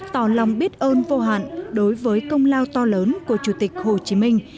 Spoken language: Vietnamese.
tỏ lòng biết ơn vô hạn đối với công lao to lớn của chủ tịch hồ chí minh